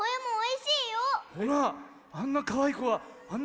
ほらあんなかわいいこがあんな